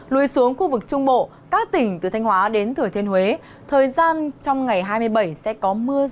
lui xuống khu vực trung bộ các tỉnh từ thanh hóa đến thừa thiên huế thời gian trong ngày hai mươi bảy sẽ có mưa to